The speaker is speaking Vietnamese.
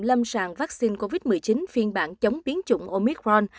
lâm sàng vaccine covid một mươi chín phiên bản chống biến chủng omicron